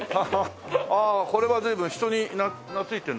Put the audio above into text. ああこれは随分人に懐いてるのかな？